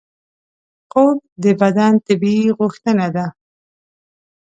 خوب د بدن طبیعي غوښتنه ده